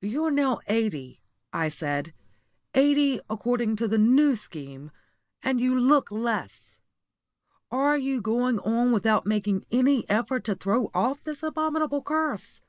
"You are now eighty," I said, "eighty, according to the New Scheme, and you look less. Are you going on without making any effort to throw off this abominable curse?